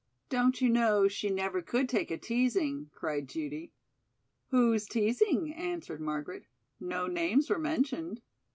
"Don't you know she never could take a teasing?" cried Judy. "Who's teasing?" answered Margaret. "No names were mentioned."